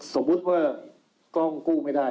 สมมุติว่ากล้องกู้ไม่ได้